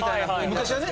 昔はね。